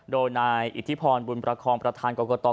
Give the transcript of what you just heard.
โดยนายอิทธิพรบุญประคองประธานกรกต